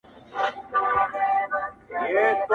که خرو ښکرونه درلوداى، د غويو نسونه بې ور څيرلي واى.